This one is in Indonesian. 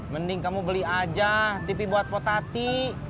mending kamu beli aja tv buat potati